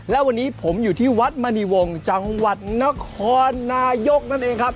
และวันนี้ผมอยู่ที่วัดมณีวงศ์จังหวัดนครนายกนั่นเองครับ